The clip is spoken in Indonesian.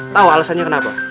tau alesannya kenapa